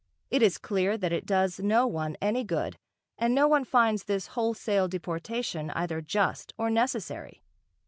It is clear that it does no one any good and no one finds this wholesale deportation either just or necessary.